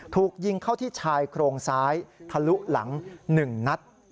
ถูกยิงเข้าที่ชายโครงซ้ายทะลุหลัง๑นัด